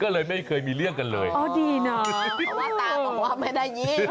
ก็เลยไม่เคยมีเรื่องกันเลยอ๋อดีนะแม่ตาบอกว่าไม่ได้ยิน